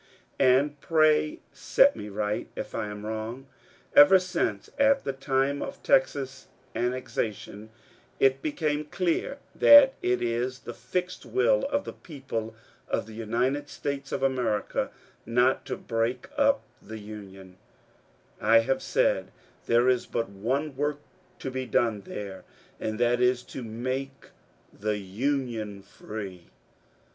And pray set me right if I am wrong. Ever since, at the time of Texas annexation, it became clear that it is the fixed will of the people of the United States of America not to break up the Union, I have said, ^^ There is but one work to be done there, and that is to make the Union free."